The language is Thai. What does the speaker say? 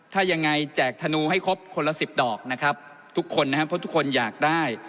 ถ้ายังไงแจกธนูให้ครบคนละ๑๐ดอกนะครับทุกคนนะครับเพราะทุกคนอยากได้